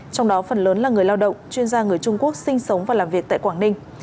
trong đó phần lớn là người lao động chuyên gia người trung quốc sinh sống và làm việc tại quảng ninh